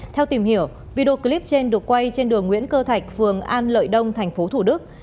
theo tìm hiểu video clip trên được quay trên đường nguyễn cơ thạch phường an lợi đông thành phố thủ đức